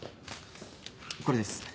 これです。